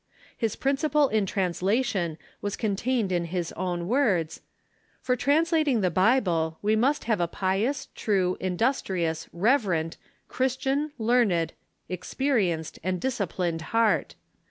His principle in translation was contained in his own words :" For translating the Bible, we must have a pious, true, industrious, reverent, Christian, learned, experi enced, and disciplined heart.